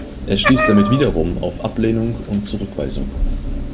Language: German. Er stieß damit wiederum auf Ablehnung und Zurückweisung.